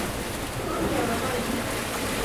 ongepe koinyi